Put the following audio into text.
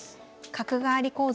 角換わり講座